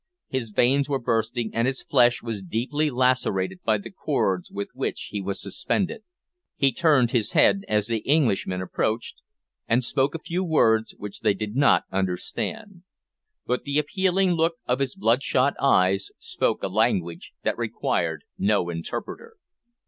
His veins were bursting, and his flesh was deeply lacerated by the cords with which he was suspended. He turned his head as the Englishmen approached, and spoke a few words which they did not understand; but the appealing look of his bloodshot eyes spoke a language that required no interpreter.